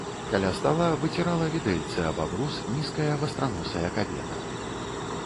Каля стала выцірала відэльцы аб абрус нізкая вастраносая кабета.